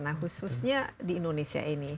nah khususnya di indonesia ini